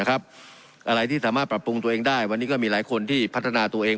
อะไรที่สามารถปรับปรุงตัวเองได้วันนี้ก็มีหลายคนที่พัฒนาตัวเอง